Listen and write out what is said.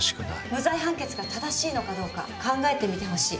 無罪判決が正しいのかどうか考えてみてほしい。